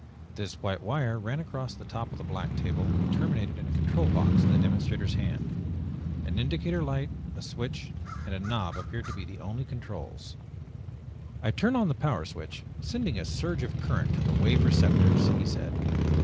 This white wire ran across the top of the black table and terminated in a control box in the demonstrator's hand. An indicator light, a switch and a knob appeared to be the only controls. "I turn on the Power Switch, sending a surge of current to the Wave Receptors," he said.